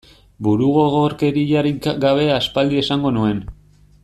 Burugogorkeriarik gabe aspaldi esango nuen.